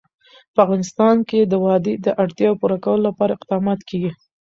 په افغانستان کې د وادي د اړتیاوو پوره کولو لپاره اقدامات کېږي.